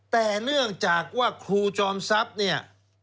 แต่เนื่องจากว่าครูจอมทรัพย์เนี่ย